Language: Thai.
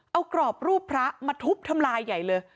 เอากรอบรูปพระมาทุบทำลายใหญ่เลย